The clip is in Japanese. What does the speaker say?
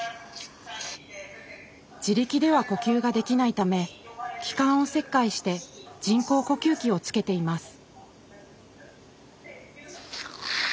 自力では呼吸ができないため気管を切開して人工呼吸器をつけています。